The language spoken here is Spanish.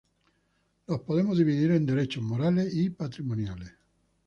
los podemos dividir en derechos morales y patrimoniales